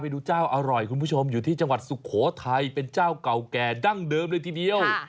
ดูเจ้าอร่อยคุณผู้ชมอยู่ที่จังหวัดสุโขทัยเป็นเจ้าเก่าแก่ดั้งเดิมเลยทีเดียว